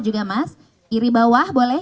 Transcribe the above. juga mas iri bawah boleh